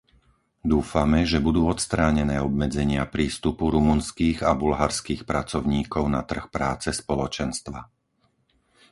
Dúfame, že budú odstránené obmedzenia prístupu rumunských a bulharských pracovníkov na trh práce Spoločenstva.